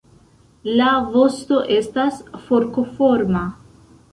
La vosto estas forkoforma.